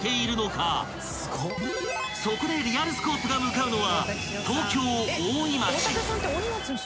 ［そこでリアルスコープが向かうのは］